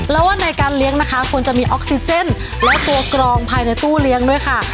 แล้วว่าในการเลี้ยงนะคะควรจะมีออกซิเจนและตัวกรองภายในตู้เลี้ยงด้วยค่ะ